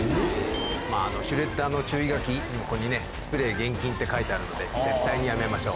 シュレッダーの注意書き、ここにね、スプレー厳禁って書いてあるので、絶対にやめましょう。